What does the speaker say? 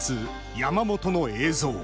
山本の映像。